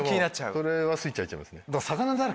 それはスイッチ入っちゃいますねだから。